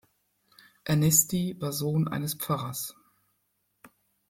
Ernesti war Sohn eines Pfarrers.